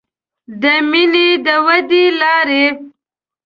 د مینې د ودې لارې